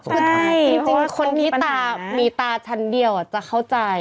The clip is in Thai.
คือจริงคนที่ตามีตาชั้นเดียวจะเข้าใจ